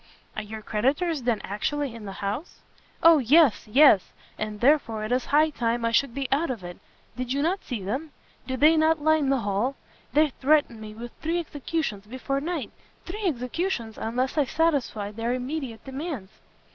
"Are your creditors then actually in the house?" "O yes, yes! and therefore it is high time I should be out of it! Did you not see them? Do they not line the hall? They threaten me with three executions before night! three executions unless I satisfy their immediate demands!